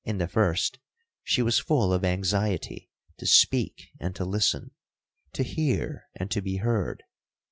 In the first, she was full of anxiety to speak and to listen, to hear and to be heard.